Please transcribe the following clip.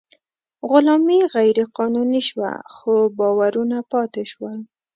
غلامي غیر قانوني شوه، خو باورونه پاتې شول.